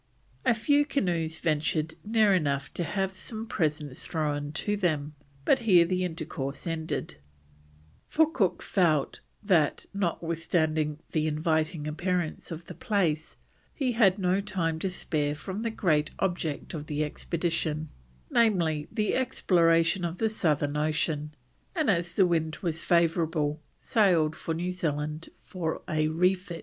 A few canoes ventured near enough to have some presents thrown to them, but here the intercourse ended, for Cook felt that, notwithstanding the inviting appearance of the place, he had no time to spare from the great object of the expedition, namely, the exploration of the Southern Ocean, and, as the wind was favourable, sailed for New Zealand for a refit.